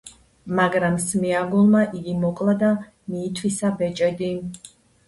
მაგრამ სმეაგოლმა იგი მოკლა და მიითვისა ბეჭედი.